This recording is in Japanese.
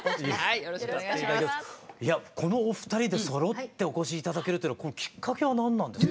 このお二人でそろってお越し頂けるっていうこのきっかけは何なんですか？